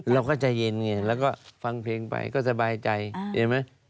เราก็ใจเย็นไงแล้วก็ฟังเพลงไปก็สบายใจเห็นไหม